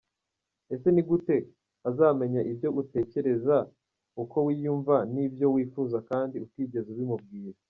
Ese ni gute azamenya ibyo utekereza, uko wiyumva n’ibyo wifuza kandi utigeze ubimubwira?.